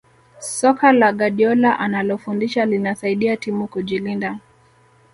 soka la guardiola analofundisha linasaidia timu kujilinda